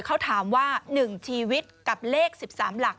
เขาถามว่า๑ชีวิตกับเลข๑๓หลัก